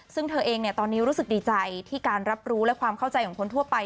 ซึ่งเธอเองตอนนี้รู้สึกดีใจที่การรับรู้และความเข้าใจของคนทั่วไป